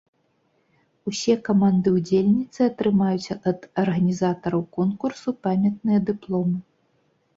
Усе каманды-ўдзельніцы атрымаюць ад арганізатараў конкурсу памятныя дыпломы.